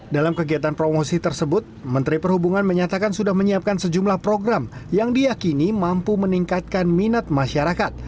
dalam kegiatan promosi tersebut menteri perhubungan menyatakan sudah menyiapkan sejumlah program yang diakini mampu meningkatkan minat masyarakat